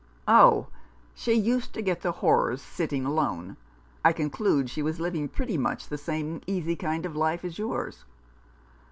" Oh, she used to get the horrors sitting alone. I conclude she was living pretty much the same easy kind of life as yours